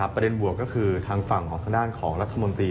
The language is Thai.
ประเด็นบวกก็คือทางฝั่งทางด้านของรัฐมนตรี